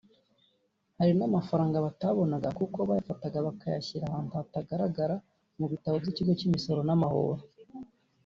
Hari n’amafaranga batabonaga kuko bayafataga bakayashyira n’ahantu atagaragara mu bitabo by’Ikigo cy’Imisoro n’amahoro